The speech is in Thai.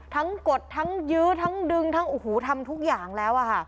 กดทั้งยื้อทั้งดึงทั้งโอ้โหทำทุกอย่างแล้วค่ะ